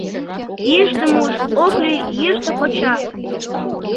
Йӱштымуж ок лий Йӱштӧ Коча.